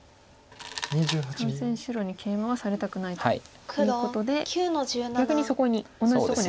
３線白にケイマはされたくないということで逆にそこに同じとこに打ちましたね。